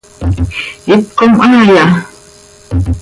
¿Hipcom haaya?